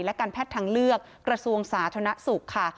และการแพทย์ทางเลือกกระทรวงสาธารณสุขค่ะ